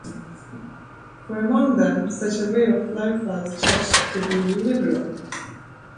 For among them such a way of life was judged to be 'liberal.